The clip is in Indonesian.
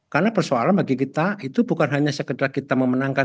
karena persoalan bagi kita itu bukan hanya sekedar kita memenangkan